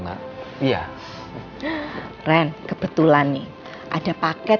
nanti cari sama teman teman aku